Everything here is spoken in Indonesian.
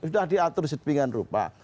sudah diatur sepingan rupa